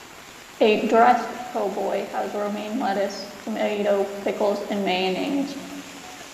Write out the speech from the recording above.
A "dressed" po' boy has romaine lettuce, tomato, pickles, and mayonnaise.